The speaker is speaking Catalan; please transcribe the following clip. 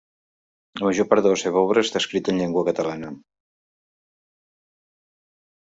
La major part de la seva obra està escrita en llengua catalana.